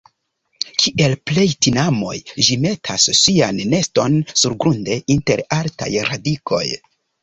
Kiel plej tinamoj ĝi metas sian neston surgrunde inter altaj radikoj.